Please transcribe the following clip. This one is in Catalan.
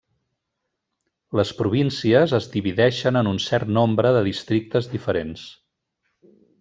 Les províncies es divideixen en un cert nombre de districtes diferents.